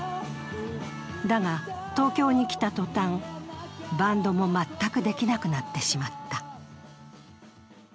だが、東京に来た途端、バンドも全くできなくなってしまった。